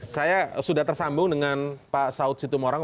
saya sudah tersambung dengan pak saud situmorang